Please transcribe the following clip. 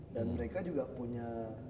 dan mereka juga punya